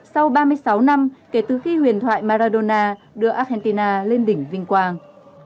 sau ba mươi sáu năm kể từ khi huyền thoại maradona đưa argentina lên đỉnh vinh quang